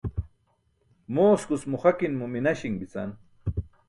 Mooskus muxakinmo minaśiṅ bican.